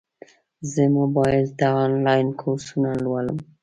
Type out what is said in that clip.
زه موبایل ته انلاین کورسونه لولم.